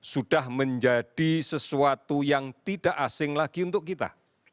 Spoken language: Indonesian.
sudah menjadi sesuatu yang tidak asing lagi untuk kita